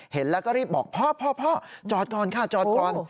เห็นแล้วก็รีบบอกพ่อพ่อจอดก่อนค่ะจอดก่อน